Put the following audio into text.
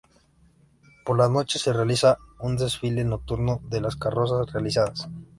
Por la noche se realiza un desfile nocturno de las carrozas realizadas.